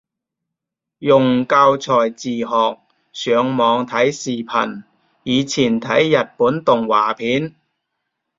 用教材自學，上網睇視頻，以前睇日本動畫片